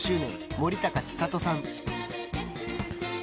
森高千里さん